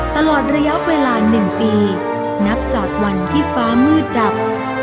ตลอดระยะเวลา๑ปีนับจากวันที่ฟ้ามืดดับ